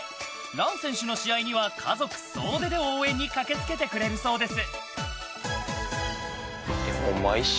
藍選手の試合には家族総出で応援に駆けつけてくれるそうです。